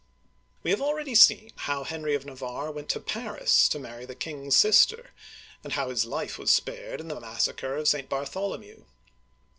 We have already seen how Henry of Navarre went to Paris to marry the king's sister, and how his life was spared in the massacre of St. Bartholomew.